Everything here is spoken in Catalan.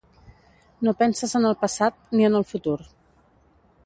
No penses en el passat, ni en el futur.